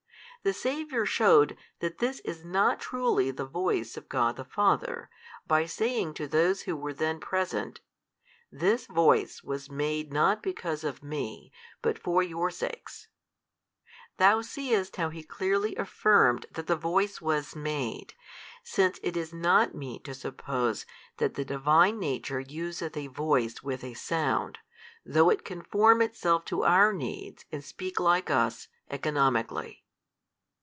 The Saviour shewed that this is not truly the voice of God the Father, by saying to those who were then present, This voice was made not because of Me, but for your sakes. Thou seest how He clearly affirmed that the Voice was made, since it is not meet to suppose that the Divine Nature useth a voice |300 with a sound, though It conform Itself to our needs and speak like us, economically.